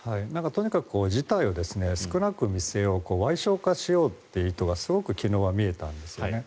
とにかく事態を少なく見せようわい小化しようという意図がすごく、昨日は見えたんですよね。